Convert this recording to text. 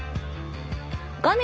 画面